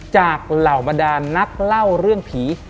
เหล่าบรรดานนักเล่าเรื่องผี